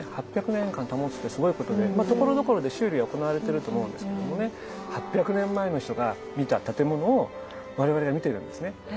８００年間保つってすごいことでところどころで修理は行われてると思うんですけどもね８００年前の人が見た建物を我々は見てるんですね。